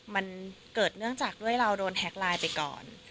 มันเกิดเนื่องจากด้วยเราโดนแฮ็กไลน์ไปก่อน